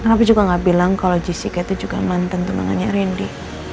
aku juga gak bilang kalau jessica itu juga mantan temannya randy